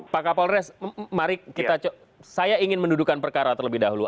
pak kapolres mari saya ingin mendudukan perkara terlebih dahulu